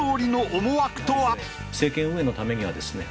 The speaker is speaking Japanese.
政権運営のためにはですね